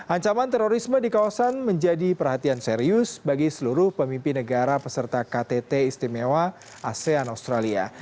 ancaman terorisme di kawasan menjadi perhatian serius bagi seluruh pemimpin negara peserta ktt istimewa asean australia